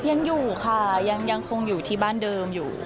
ยังอยู่ค่ะยังคงอยู่ที่บ้านเดิมอยู่